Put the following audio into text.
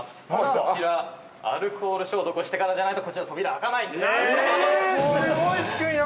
こちらアルコール消毒をしてからじゃないとこちら扉開かないんですすごい仕組みだ